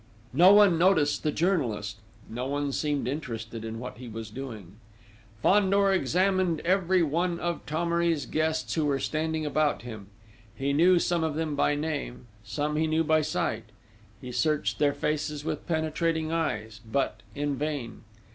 No one noticed the journalist.... No one seemed interested in what he was doing.... Fandor examined every one of Thomery's guests who were standing about him. He knew some of them by name, some he knew by sight. He searched their faces with penetrating eyes; but, in vain....